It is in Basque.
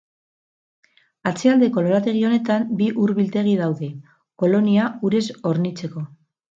Atzealdeko lorategi honetan bi ur-biltegi daude, Kolonia urez hornitzeko.